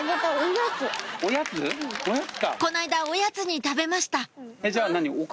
この間おやつに食べました